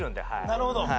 なるほど。